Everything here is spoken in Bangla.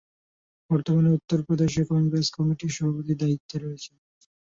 বর্তমানে উত্তরপ্রদেশ কংগ্রেস কমিটির সভাপতির দায়িত্বে রয়েছেন।